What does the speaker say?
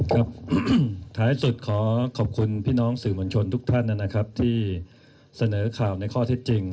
ครับท้ายสุดขอขอบคุณพี่น้องสื่อมวลชนทุกท่านนะครับที่เสนอข่าวในข้อเท็จจริง